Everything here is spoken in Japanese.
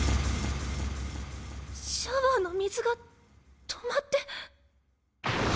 シャワーの水が止まって。